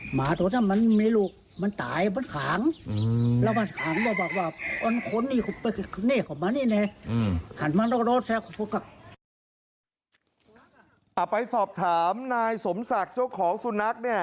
หาไปสอบถามนายสมศักดิ์เจ้าของสุนัข